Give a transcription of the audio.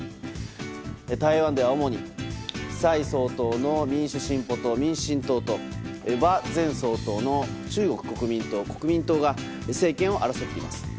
台湾では主に蔡総統の民主進歩党・民進党と馬前総統の中国国民党・国民党が国民党が、政権を争っています。